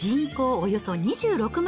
およそ２６万